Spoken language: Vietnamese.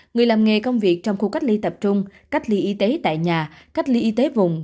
người làm nghề công việc trong khu cách ly tập trung cách ly y tế tại nhà cách ly y tế vùng